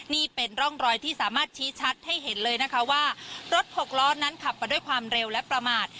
นี่เป็นร่องรอยที่สามารถชี้ชัดให้เห็นเลยนะคะว่ารถหกล้อนั้นขับมาด้วยความเร็วและประมาท